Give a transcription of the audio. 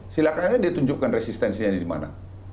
silahkan aja dia tunjukkan resistensinya di mana